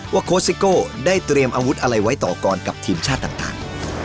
โค้ชซิโก้ได้เตรียมอาวุธอะไรไว้ต่อกรกับทีมชาติต่าง